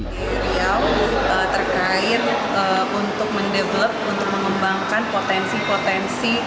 di riau terkait untuk mendevelop untuk mengembangkan potensi potensi